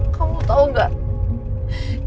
kamu tau gak